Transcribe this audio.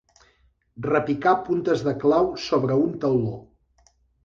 Repicar puntes de clau sobre un tauló.